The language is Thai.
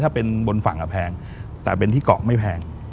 ถ้าเป็นบนฝั่งแพงแต่เป็นที่เกาะไม่แพง